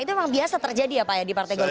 itu memang biasa terjadi ya pak ya di partai golkar